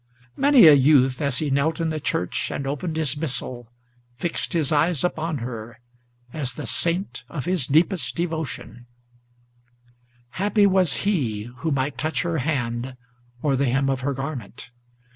Many a youth, as he knelt in the church and opened his missal, Fixed his eyes upon her, as the saint of his deepest devotion; Happy was he who might touch her hand or the hem of her garment!